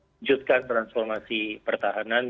menuju transformasi pertahanan